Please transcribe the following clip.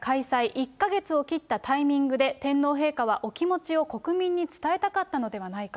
１か月を切ったタイミングで、天皇陛下はお気持ちを国民に伝えたかったのではないか。